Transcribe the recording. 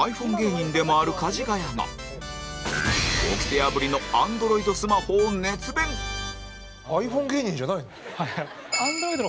掟破りのアンドロイドスマホを熱弁ｉＰｈｏｎｅ芸人じゃないの？